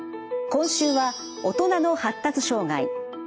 今週は「大人の発達障害」。